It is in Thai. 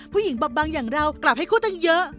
ผู้หญิงบอบบางอย่างเรากลับให้คู่ตั้งเยอะ